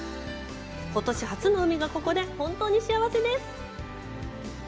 今年初の海がここで本当に幸せです